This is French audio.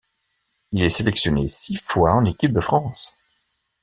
Il est sélectionné six fois en équipe de France.